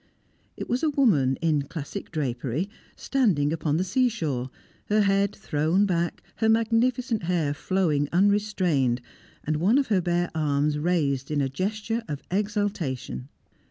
It was a woman, in classic drapery, standing upon the seashore, her head thrown back, her magnificent hair flowing unrestrained, and one of her bare arms raised in a gesture of exultation.